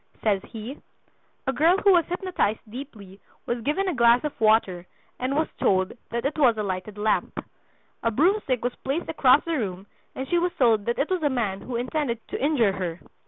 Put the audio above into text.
Says he: "A girl who was hypnotized deeply was given a glass of water and was told that it was a lighted lamp. A broomstick was placed across the room and she was told that it was a man who intended to injure her.